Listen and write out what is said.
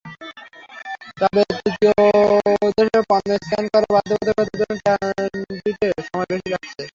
তবে তৃতীয় দেশে পণ্য স্ক্যান করার বাধ্যবাধকতার জন্য ট্রানজিটে সময় বেশি লাগছে।